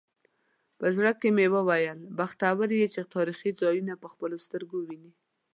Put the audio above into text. په زړه کې مې وویل بختور یې چې تاریخي ځایونه په خپلو سترګو وینې.